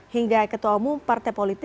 hingga ketua umum partai politik